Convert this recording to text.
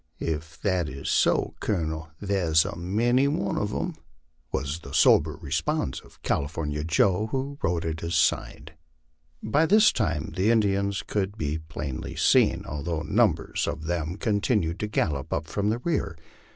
"Ef that is so, Colonel, thar's a many one uv 'em," was the sober response of California Joe, who rode at his side. By this time the Indians could be plainly seen, although numbers of them continued to gallop up from the rear.